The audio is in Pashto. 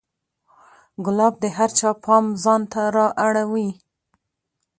ګلاب د هر چا پام ځان ته را اړوي.